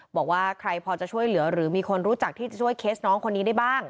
บอกว่าใครพอจะช่วยเหลือหรือมีคนรู้จักที่จะช่วยเคสน้องคนนี้ได้บ้าง